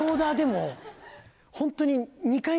ホントに。